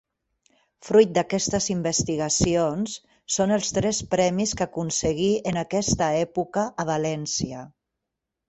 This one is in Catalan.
Fruit d'aquestes investigacions són els tres premis que aconseguí en aquesta època a València.